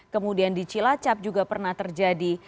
kemudian di cilacap juga pernah terjadi